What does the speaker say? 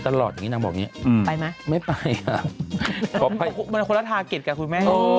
แต่คุณเป็นคนละทารเกทกับขุนแม่